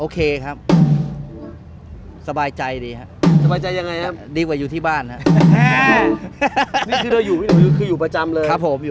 คุณอาร์ทเล่นเฟอร์แคชั่น